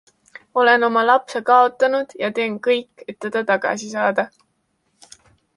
Olen oma lapse kaotanud ja teen kõik, et teda tagasi saada.